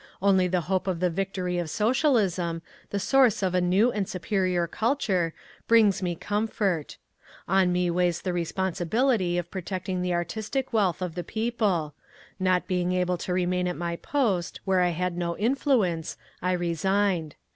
Only the hope of the victory of Socialism, the source of a new and superior culture, brings me comfort. On me weighs the responsibility of protecting the artistic wealth of the people…. Not being able to remain at my post, where I had no influence, I resigned.